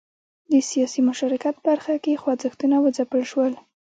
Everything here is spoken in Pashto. د سیاسي مشارکت په برخه کې خوځښتونه وځپل شول.